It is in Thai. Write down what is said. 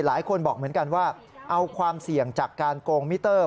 หลายคนบอกเหมือนกันว่าเอาความเสี่ยงจากการโกงมิเตอร์